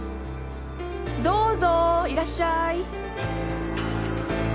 どうぞいらっしゃい！